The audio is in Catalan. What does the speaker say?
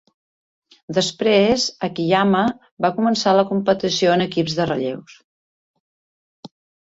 Després, Akiyama va començar la competició en equips de relleus.